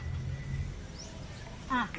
อ้าว